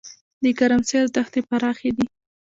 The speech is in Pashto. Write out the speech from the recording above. د ګرمسیر دښتې پراخې دي